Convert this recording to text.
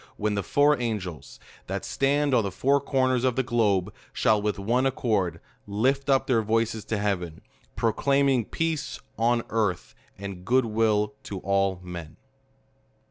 when the four angels, that stand on the four corners of the globe, shall, with one accord, lift up their voices to heaven ; proclaiming PEACE ON EARTPI, AND GOOD WILL TO ALL MEN.